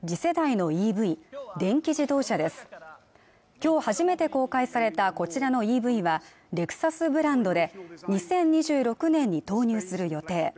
今日初めて公開されたこちらのＥＶはレクサスブランドで２０２６年に投入する予定